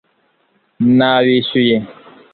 nabishyuye